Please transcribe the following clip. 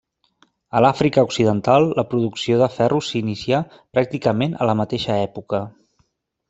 A l'Àfrica occidental, la producció de ferro s'inicià, pràcticament, a la mateixa època.